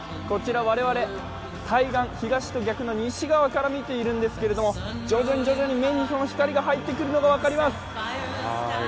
こちら我々、対岸、東と逆の西側から見ているんですけれども、徐々に徐々に目にその光が入ってくるのが分かります。